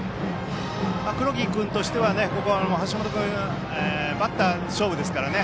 黒木君としてはここ、橋本君バッター勝負ですからね。